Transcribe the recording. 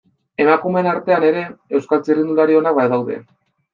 Emakumeen artean ere, Euskal txirrindulari onak badaude.